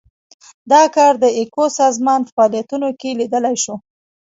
دا کار د ایکو سازمان په فعالیتونو کې لیدلای شو.